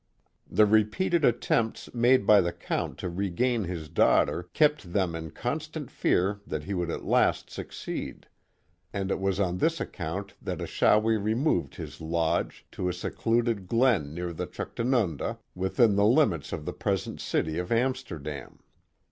The repeated attempts made by the Count to regain his daughter kept them in constant fear that he would at last suc ceed, and it was on this account that Achawi removed his lodge to a secluded glen near the Juchtanunda, within the limits of the present city of Amsterdam.